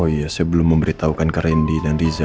oh iya saya belum memberitahukan ke randy dan riza